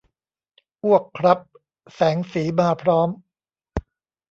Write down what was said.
อ้วกครับ แสงสีมาพร้อม